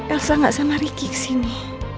elsa gak sama ricky kesini